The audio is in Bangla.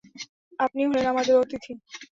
আপনি হলেন আমাদের অতিথি।